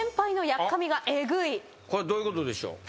これどういうことでしょう？